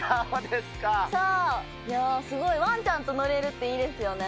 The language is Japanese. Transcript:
そう、すごいワンちゃんと乗れるっていいですよね。